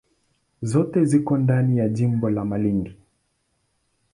Zote ziko ndani ya jimbo la Malindi.